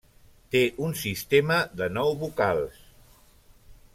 Té un sistema de nou vocals.